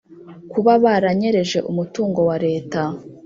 kuba baranyereje umutungo wa leta